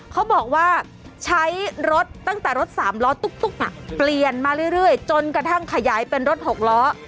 เขาบอกว่าใช้รถตั้งแต่รถสามล้อตุ๊กเปลี่ยนมาเรื่อยจนกระทั่งขยายเป็นรถ๖ล้อ